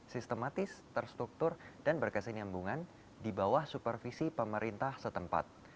sistematis terstruktur dan berkesinambungan di bawah supervisi pemerintah setempat